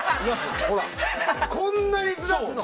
こんなにずらすの！